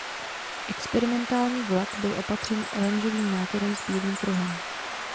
Experimentální vlak byl opatřen oranžovým nátěrem s bílým pruhem.